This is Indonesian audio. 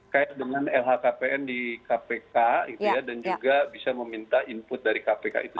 kait dengan lhkpn di kpk gitu ya dan juga bisa meminta input dari kpk itu